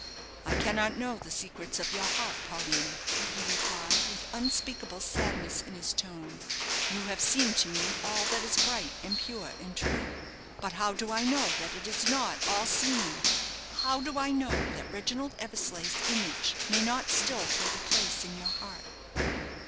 "I cannot know the secrets of your heart, Paulina," he replied, with unspeakable sadness in his tone. "You have seemed to me all that is bright, and pure, and true. But how do I know that it is not all seeming? How do I know that Reginald Eversleigh's image may not still hold a place in your heart?"